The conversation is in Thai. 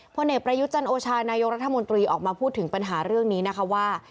เอกประยุทธ์จันโอชานายกรัฐมนตรีออกมาพูดถึงปัญหาเรื่องนี้นะคะว่า